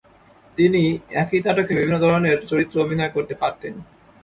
তিনি একই নাটকে বিভিন্ন ধরণের চরিত্রে অভিনয় করতে পারতেন।